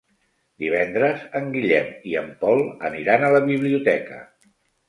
Divendres en Guillem i en Pol aniran a la biblioteca.